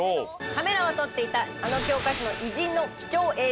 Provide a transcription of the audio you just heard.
カメラは撮っていたあの教科書の偉人の貴重映像。